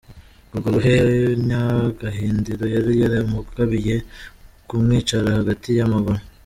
Uwo Ruhwenya Gahindiro yari yaramugabiye kumwicara hagati y’amaguru.